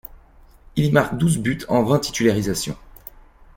Il y marque douze buts en vingt titularisations.